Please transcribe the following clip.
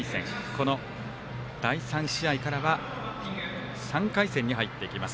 この第３試合からは３回戦に入っていきます。